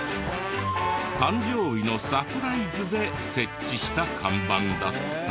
誕生日のサプライズで設置した看板だった。